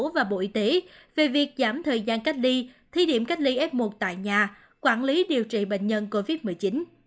và bộ y tế về việc giảm thời gian cách ly thi điểm cách ly f một tại nhà quản lý điều trị bệnh nhân covid một mươi chín